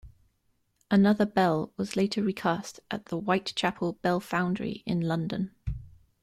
Another bell was later recast at the Whitechapel Bell Foundry in London.